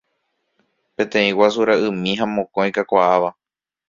Peteĩ guasu ra'ymi ha mokõi kakuaáva.